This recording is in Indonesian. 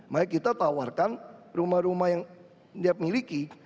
makanya kita tawarkan rumah rumah yang dia miliki